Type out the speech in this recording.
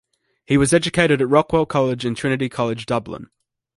He was educated at Rockwell College and Trinity College, Dublin.